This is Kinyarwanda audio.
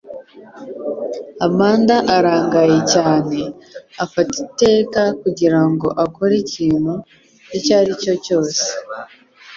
Amanda arangaye cyane, afata iteka kugirango akore ikintu icyo aricyo cyose